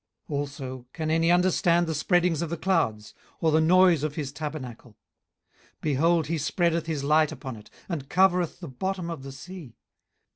18:036:029 Also can any understand the spreadings of the clouds, or the noise of his tabernacle? 18:036:030 Behold, he spreadeth his light upon it, and covereth the bottom of the sea.